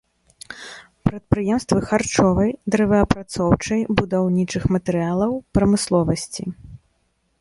Прадпрыемствы харчовай, дрэваапрацоўчай, будаўнічых матэрыялаў прамысловасці.